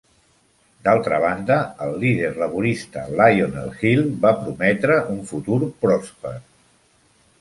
D'altra banda, el líder laborista, Lionel Hill, va prometre un futur pròsper.